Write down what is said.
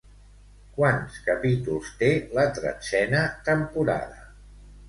Quants capítols té la tretzena temporada?